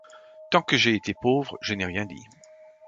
Tant que j’ai été pauvre, je n’ai rien dit.